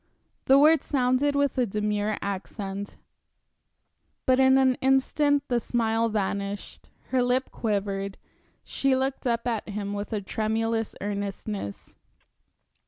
The words sounded with a demure accent. But in an instant the smile vanished, her lip quivered, she looked up at him with a tremulous earnestness.